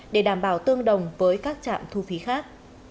để đảm bảo tương đồng với các trạm thu phí khác